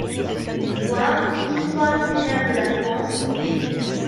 (Voir _Histoire littéraire de la France_, t.